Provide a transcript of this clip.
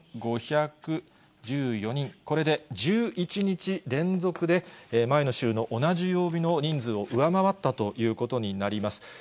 ２５１４人、これで１１日連続で、前の週の同じ曜日の人数を上回ったということになります。